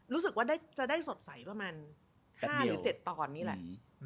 รู้สึกว่าจะได้สดใสประมาณ๕หรือ๗ตอนนี่แหละ